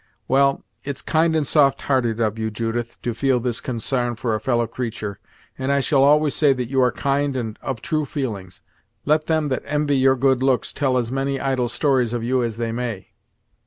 Well, it's kind and softhearted in you, Judith, to feel this consarn for a fellow creatur', and I shall always say that you are kind and of true feelings, let them that envy your good looks tell as many idle stories of you as they may."